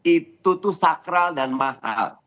itu tuh sakral dan massal